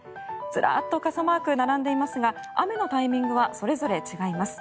ずらっと傘マークが並んでいますが雨のタイミングはそれぞれ違います。